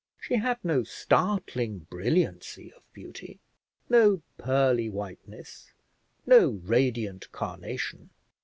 She had no startling brilliancy of beauty, no pearly whiteness, no radiant carnation.